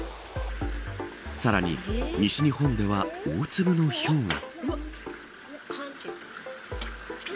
さらに西日本では大粒のひょうが。